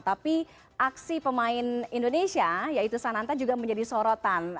tapi aksi pemain indonesia yaitu sananta juga menjadi sorotan